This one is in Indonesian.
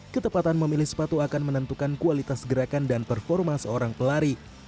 ketepatan memilih sepatu akan menentukan kualitas gerakan dan performa seorang pelari